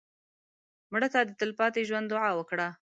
مړه ته د تلپاتې ژوند دعا وکړه